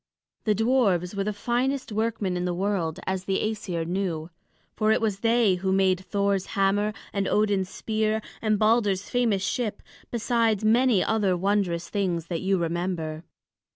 The dwarfs were the finest workmen in the world, as the Æsir knew; for it was they who made Thor's hammer, and Odin's spear, and Balder's famous ship, besides many other wondrous things that you remember.